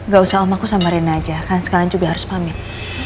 gak usah om aku sama reina aja kan sekarang juga harus pamit